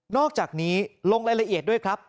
อกจากนี้ลงรายละเอียดด้วยครับ